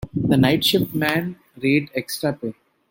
The night shift men rate extra pay.